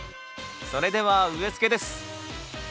それでは植え付けです